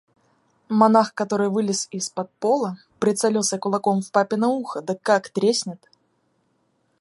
Монах, который вылез из-под пола, прицелился кулаком в папино ухо, да как треснет!